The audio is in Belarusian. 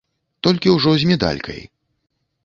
Толькі ўжо з медалькай.